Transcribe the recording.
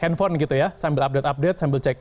handphone gitu ya sambil update update sambil cek